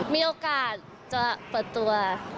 มีโอกาสจะเปิดตัว